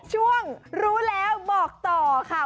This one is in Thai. รู้แล้วบอกต่อค่ะ